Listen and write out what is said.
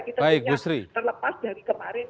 kita punya terlepas dari kemarin